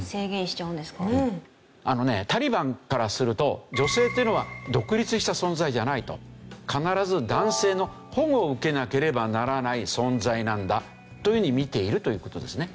あのねタリバンからすると女性というのは独立した存在ではないと必ず男性の保護を受けなければならない存在なんだというふうに見ているという事ですね。